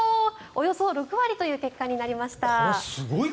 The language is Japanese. およそ６割という結果になりました。